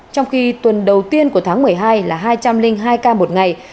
trong khi tuần đầu tiên của tháng một mươi hai là hai trăm linh hai ca một ngày